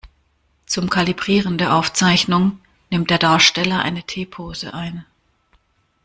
Zum Kalibrieren der Aufzeichnung nimmt der Darsteller eine T-Pose ein.